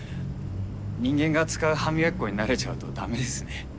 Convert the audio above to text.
人間が使う歯磨き粉に慣れちゃうとダメですね。